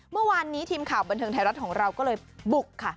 เมื่อวานนี้ทีมข่าวบันเทิงไทยรัฐของเราก็เลยบุกค่ะ